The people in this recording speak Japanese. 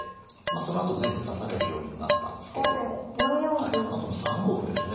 そのあと随分指されるようにもなったんですけれどもそのあとの３五歩ですね。